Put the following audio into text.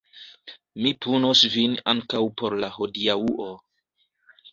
Mi punos vin ankaŭ por la hodiaŭo.